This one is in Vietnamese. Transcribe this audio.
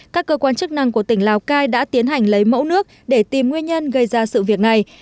các cơ quan chức năng của tỉnh lào cai đã tiến hành lấy mẫu nước để tìm nguyên nhân gây ra sự việc này